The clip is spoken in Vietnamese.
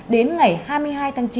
đến ngày hai mươi hai tháng chín